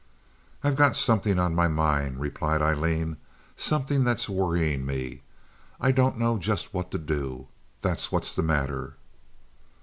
"I've got something on my mind," replied Aileen—"something that's worrying me. I don't know just what to do—that's what's the matter."